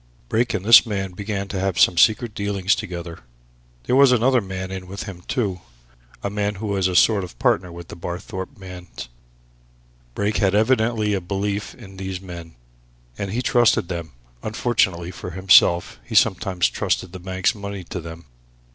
Brake and this man began to have some secret dealings together. There was another man in with them, too a man who was a sort of partner of the Barthorpe man's. Brake had evidently a belief in these men, and he trusted them unfortunately for himself he sometimes trusted the bank's money to them.